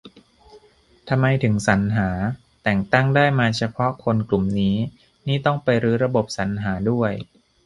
ทำไมถึงสรรหาแต่งตั้งได้มาเฉพาะคนกลุ่มนี้ นี่ต้องไปรื้อระบบสรรหาด้วย